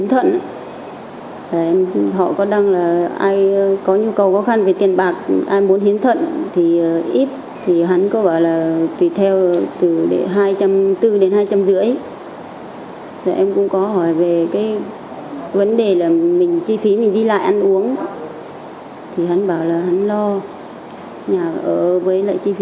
hãy đăng ký kênh để ủng hộ kênh của mình nhé